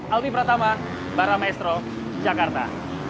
alfi prataman barra maestro jakarta